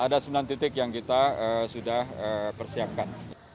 ada sembilan titik yang kita sudah persiapkan